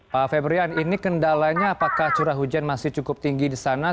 pak febrian ini kendalanya apakah curah hujan masih cukup tinggi di sana